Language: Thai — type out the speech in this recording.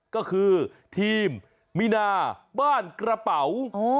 ก็คือทีมมีนาบ้านกระเป๋า